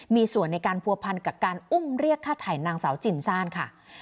มีส่วนในการผัวพันกับการอุ้มเรียกฆ่าไถ่นางสาวจินซ่านค่ะ